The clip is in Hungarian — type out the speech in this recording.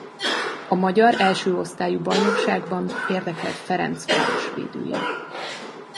A magyar első osztályú bajnokságban érdekelt Ferencváros védője.